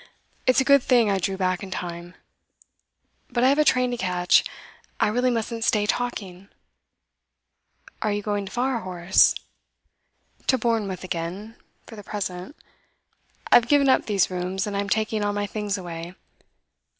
It's a good thing I drew back in time. But I have a train to catch; I really mustn't stay talking.' 'Are you going far, Horace?' 'To Bournemouth again, for the present. I've given up these rooms, and I'm taking all my things away.